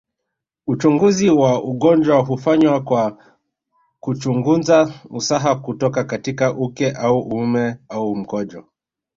Uchunguzi wa ugonjwa hufanywa kwa kuchungunza usaha kutoka katika uke au uume au mkojo